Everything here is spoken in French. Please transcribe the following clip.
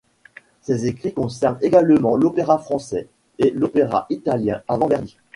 Ses écrits concernent également l'opéra français et l'opéra italien avant Verdi.